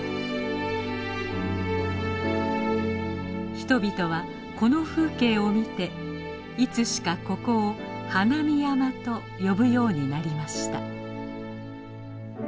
人々はこの風景を見ていつしかここを「花見山」と呼ぶようになりました。